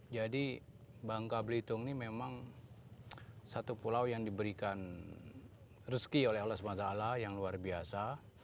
jadi bangka blitung ini memang satu pulau yang diberikan rezeki oleh allah swt yang luar biasa